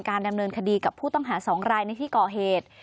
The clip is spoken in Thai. ดำเนินคดีกับผู้ต้องหา๒รายในที่ก่อเหตุ